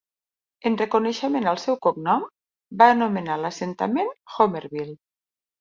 En reconeixement al seu cognom, va anomenar l'assentament "Homerville".